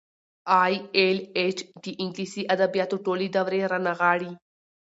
ای ایل ایچ د انګلیسي ادبیاتو ټولې دورې رانغاړي.